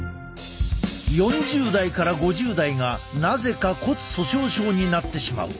４０代から５０代がなぜか骨粗しょう症になってしまう。